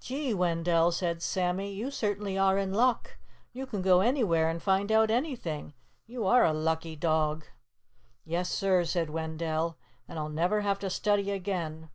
"Gee, Wendell!" said Sammy. "You certainly are in luck. You can go anywhere and find out anything. You are a lucky dog!" "Yes sir!" said Wendell. "And I'll never have to study again.